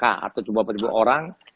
atau cuma berapa ribu orang